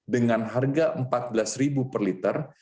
dengan harga empat belas ribu per liter